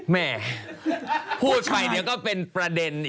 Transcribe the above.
แม่พูดไปเดี๋ยวก็เป็นประเด็นอีก